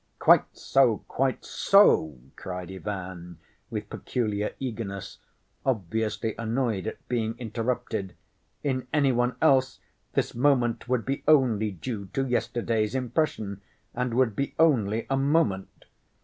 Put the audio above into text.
"Quite so, quite so," cried Ivan, with peculiar eagerness, obviously annoyed at being interrupted, "in any one else this moment would be only due to yesterday's impression and would be only a moment.